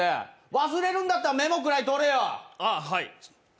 忘れるんだったらメモぐらいとれよ。